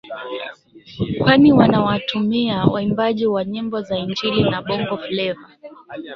kwani wanawatumia waimbaji wa nyimbo za injili na bongo fleva